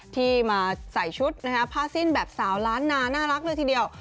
ที่มาใส่ชุดผ้าสิ้นแบบสาวล้านนาน่ารักเลยทีเดียว